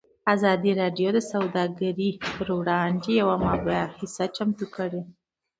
ازادي راډیو د سوداګري پر وړاندې یوه مباحثه چمتو کړې.